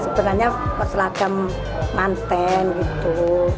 sebenarnya berselacam mantan gitu